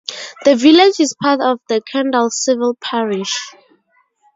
The village is part of the Kendal civil parish.